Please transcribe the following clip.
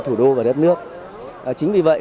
thủ đô và đất nước chính vì vậy